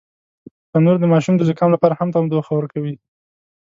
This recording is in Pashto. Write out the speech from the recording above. تنور د ماشوم د زکام لپاره هم تودوخه ورکوي